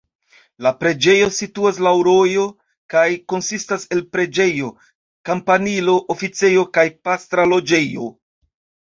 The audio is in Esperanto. La preĝejo situas laŭ rojo kaj konsistas el preĝejo, kampanilo, oficejo kaj pastra loĝejo.